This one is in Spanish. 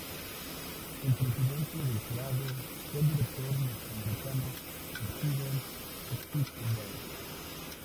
El presidente del jurado fue el director norteamericano Steven Spielberg.